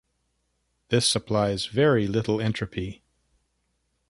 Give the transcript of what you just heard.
This supplies very little entropy.